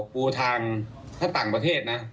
ปูทางถ้าต่างประเทศนะ